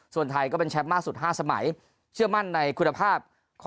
ส่วนไทยก็เป็นแชมป์มากสุด๕สมัยเชื่อมั่นในคุณภาพของ